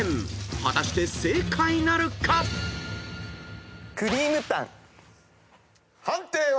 ［果たして正解なるか？］判定は？